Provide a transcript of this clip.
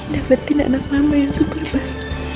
dapetin anak mama yang super baik